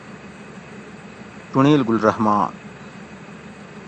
چُنڑیل: گُل رحمان